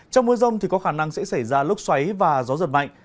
trong mưa rông có khả năng sẽ xảy ra lúc xoáy và gió giật mạnh